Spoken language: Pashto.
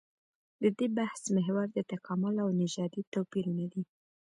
د دې بحث محور د تکامل او نژادي توپيرونه دي.